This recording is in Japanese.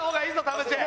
田渕。